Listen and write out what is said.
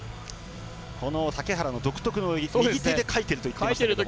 この竹原の独特の泳ぎ右手で、かいていると。